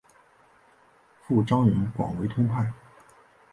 父张仁广为通判。